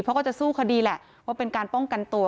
เขาก็จะสู้คดีแหละว่าเป็นการป้องกันตัว